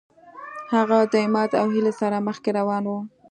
هغه د امید او هیلې سره مخکې روان و.